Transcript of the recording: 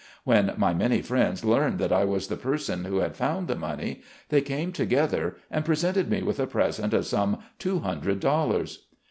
When my many friends learned that I was the person who had found the money, they came together and presented me with a present of some two hundred dollars.